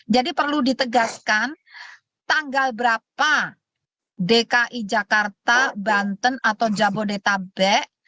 jadi perlu ditegaskan tanggal berapa dki jakarta banten atau jabodetabek